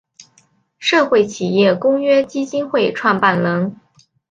社会企业公约基金会创办人。